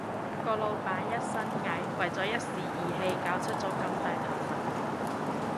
個老闆都一身蟻，為咗一時意氣搞出咁大頭佛